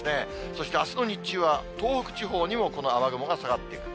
そしてあすの日中は東北地方にも、この雨雲が下がってくる。